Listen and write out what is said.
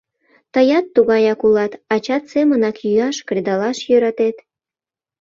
Тыят тугаяк улат, ачат семынак йӱаш, кредалаш йӧратет.